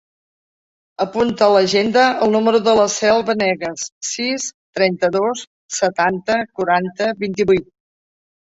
Apunta a l'agenda el número de la Cel Venegas: sis, trenta-dos, setanta, quaranta, vint-i-vuit.